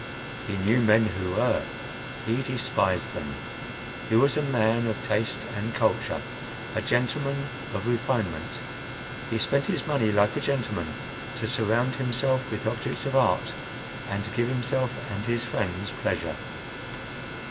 He knew men who were. He despised them. He was a man of taste and culture, a gentleman of refinement. He spent his money like a gentleman, to surround himself with objects of art and to give himself and his friends pleasure.